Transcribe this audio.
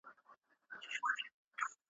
موږ د نوي تخنیک په لټه کي یو.